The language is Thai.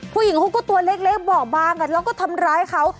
ผู้หญิงเขาก็ตัวเล็กเบาะบางแล้วก็ทำร้ายเขา